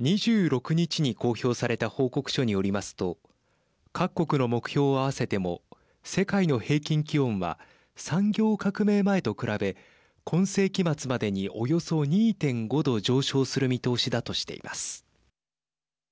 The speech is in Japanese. ２６日に公表された報告書によりますと各国の目標を合わせても世界の平均気温は産業革命前と比べ今世紀末までにおよそ２．５度上昇する見通しだとしています。